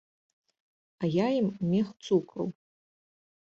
А я ім мех цукру.